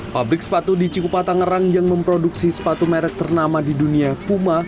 pabrik sepatu di cikupa tangerang yang memproduksi sepatu merek ternama di dunia puma